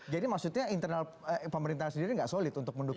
jadi maksudnya internal pemerintahan sendiri tidak solid untuk mendukung